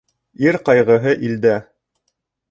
Ир ҡайғыһы илдә.